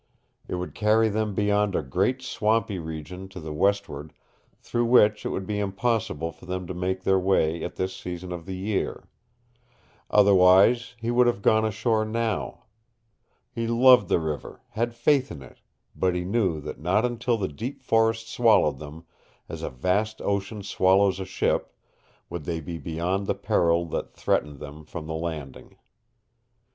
It would carry them beyond a great swampy region to the westward through which it would be impossible for them to make their way at this season of the year. Otherwise he would have gone ashore now. He loved the river, had faith in it, but he knew that not until the deep forests swallowed them, as a vast ocean swallows a ship, would they be beyond the peril that threatened them from the Landing.